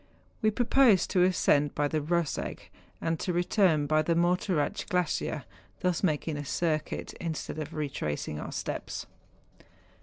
We pro¬ posed to ascend by the Eoseg, and to return by the Morteratsch glacier, thus making a circuit, instead of retracing our steps.